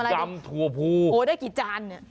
ยำถั่วภูโอ้ได้กี่จานเนี่ย